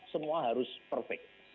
semua harus perfect